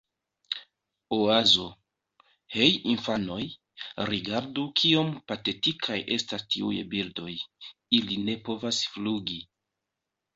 Oazo: "Hej infanoj, rigardu kiom patetikaj estas tiuj birdoj. Ili ne povas flugi."